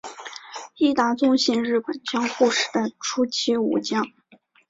伊达宗信日本江户时代初期武将。